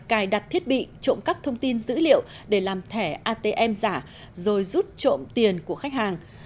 cài đặt thiết bị trộm cắp thông tin dữ liệu để làm thẻ atm giả rồi rút trộm tiền của khách hàng